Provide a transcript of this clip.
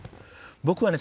僕はね